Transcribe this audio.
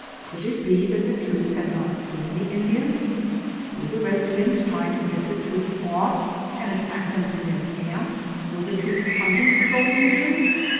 Could it be that the troops had not seen the Indians? Were the redskins trying to head the troops off and attack them in their camp? Were the troops hunting for those Indians?